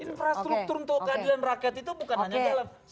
infrastruktur untuk keadilan rakyat itu bukan hanya dalam